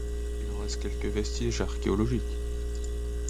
Il en reste quelques vestiges archéologiques.